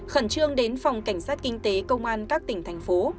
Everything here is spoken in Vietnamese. khẩn trương đến phòng cảnh sát kinh tế công an các tỉnh thành phố